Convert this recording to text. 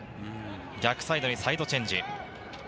逆サイドにサイドチェンジ。